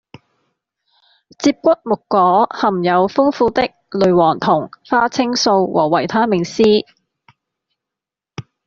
接骨木果含有豐富的類黃酮、花青素和維他命 C